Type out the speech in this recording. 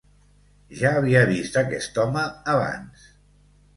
Ja havia vist aquest home abans.